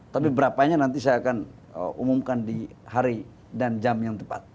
tapi berapanya nanti saya akan umumkan di hari dan jam yang tepat